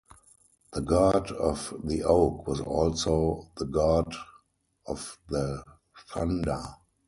The god of the oak was also the god of the thunder.